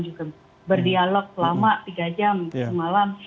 juga berdialog selama tiga jam semalam